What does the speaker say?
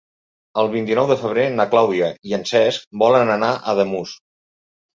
El vint-i-nou de febrer na Clàudia i en Cesc volen anar a Ademús.